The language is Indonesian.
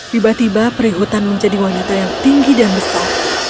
tiba tiba perihutan menjadi wanita yang tinggi dan besar